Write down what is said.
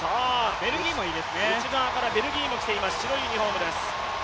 内側からベルギーも来ています、白いユニフォームです。